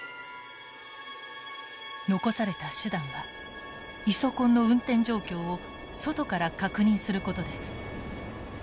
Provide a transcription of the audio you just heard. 残された手段はイソコンの運転状況を外から確認することです。